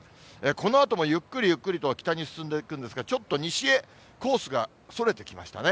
このあともゆっくりゆっくりと北に進んでいくんですが、ちょっと西へコースがそれてきましたね。